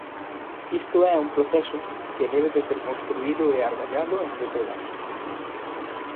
Isto é un proceso que debe de ser construído e argallado entre todas.